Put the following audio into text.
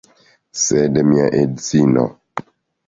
Sed mia edzino